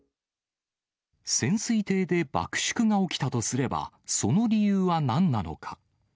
潜水艇で爆縮が起きたとすれば、その理由はなんなのか。